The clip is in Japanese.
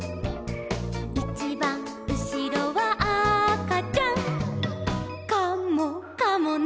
「いちばんうしろはあかちゃん」「カモかもね」